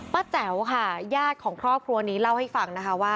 แจ๋วค่ะญาติของครอบครัวนี้เล่าให้ฟังนะคะว่า